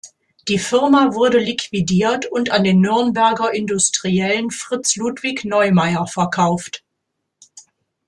Die Firma wurde liquidiert und an den Nürnberger Industriellen Fritz Ludwig Neumeyer verkauft.